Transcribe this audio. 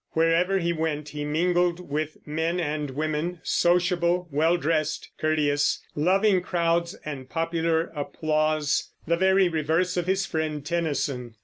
Wherever he went he mingled with men and women, sociable, well dressed, courteous, loving crowds and popular applause, the very reverse of his friend Tennyson.